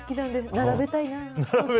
並べたいな。